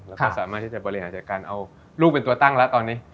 แล้วก็สามารถที่จะบริหารจัดการเอาลูกเป็นตัวตั้งแล้วตอนนี้